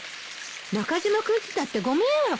中島君ちだってご迷惑よ。